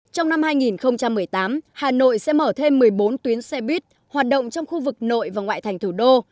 trong năm hai nghìn một mươi tám hà nội sẽ mở thêm một mươi bốn tuyến xe buýt hoạt động trong khu vực nội và ngoại thành thủ đô